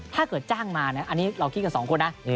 ถ้าเกิดจ้างมาเนี่ยอันนี้เราคิดกับสองคนนะ